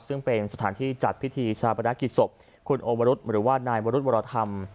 ซึ่งเป็นสถานที่จัดพิธีชาปนกิจศพคุณโอวรุษหรือว่านายวรุธวรธรรม